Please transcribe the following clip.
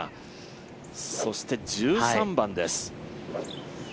そして１３番です。